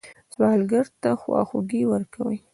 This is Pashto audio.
سوالګر ته خواخوږي ورکوئ